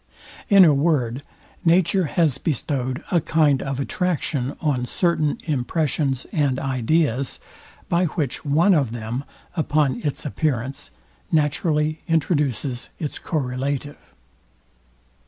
In a word, nature has bestowed a kind of attraction on certain impressions and ideas, by which one of them, upon its appearance, naturally introduces its correlative.